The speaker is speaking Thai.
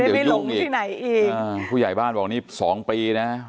จะได้ไม่หลงที่ไหนอีกอ่าผู้ใหญ่บ้านบอกวันนี้สองปีน่ะ